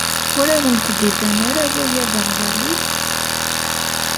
Ur awent-d-iban ara waya d aɣwali?